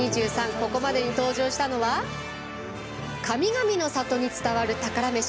ここまでに登場したのは「神々の里に伝わる宝メシ」